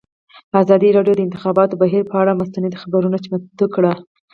ازادي راډیو د د انتخاباتو بهیر پر اړه مستند خپرونه چمتو کړې.